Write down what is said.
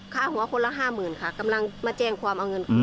ค่าหัวคนละห้าหมื่นค่ะกำลังมาแจ้งความเอาเงิน